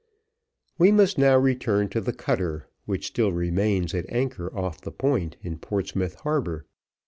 We must now return to the cutter, which still remains at anchor off the Point in Portsmouth harbour.